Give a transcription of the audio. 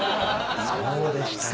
そうでしたか。